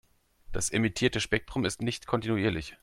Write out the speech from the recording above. Das emittierte Spektrum ist nicht kontinuierlich.